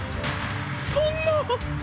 そんな。